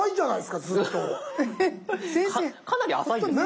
かなり浅いですね。